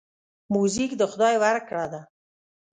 موزیک د خدای ورکړه ده.